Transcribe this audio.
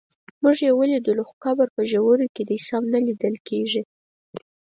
موږ یې ولیدلو خو قبر په ژورو کې دی سم نه لیدل کېږي.